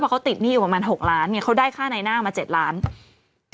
เขาติดหนี้อยู่ประมาณ๖ล้านเนี่ยเขาได้ค่าในหน้ามา๗ล้าน